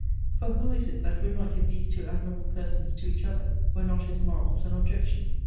For who is it that would not give these two admirable persons to each other, were not his morals an objection?